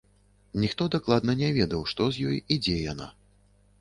Ніхто дакладна не ведаў, што з ёй і дзе яна.